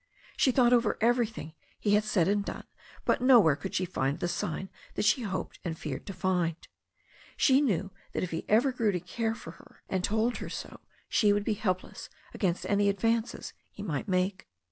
She thought over everything he had said and done, but nowhere could she find the sign that she both hoped and feared to find. She knew that if he ever grew to care for her and told her so she would be helpless against any advances he might make.